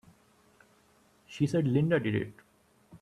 She said Linda did it!